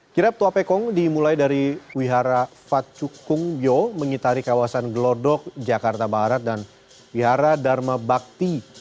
kirap tua pekong dimulai dari wihara fat cukungyo mengitari kawasan gelodok jakarta barat dan wihara dharma bakti